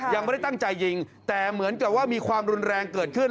ยังไม่ได้ตั้งใจยิงแต่เหมือนกับว่ามีความรุนแรงเกิดขึ้น